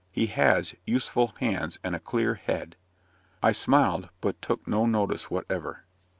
"He has useful hands and a clear head." I smiled, but took no notice whatever.